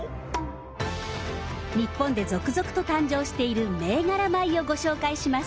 日本で続々と誕生している銘柄米をご紹介します。